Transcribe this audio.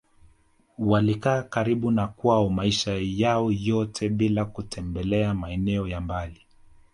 Walikaa karibu na kwao maisha yao yote bila kutembelea maeneo ya mbali